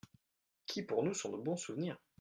…qui pour nous sont de bons souvenirs.